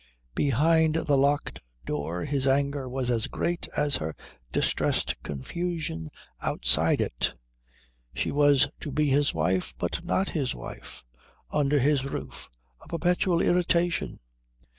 Behind the locked door his anger was as great as her distressed confusion outside it. She was to be his wife but not his wife. Under his roof. A perpetual irritation.